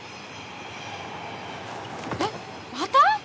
えっ！また！？